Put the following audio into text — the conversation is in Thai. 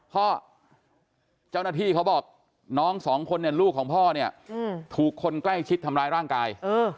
เจ้าหน้าที่เขาบอกน้องสองคนเนี่ยลูกของพ่อเนี่ยถูกคนใกล้ชิดทำร้ายร่างกาย